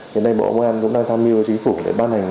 hiện nay bộ công an cũng đang tham mưu với chính phủ để ban hành